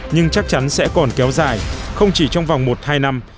nhưng chắc chắn sẽ còn kéo dài không chỉ trong vòng một hai năm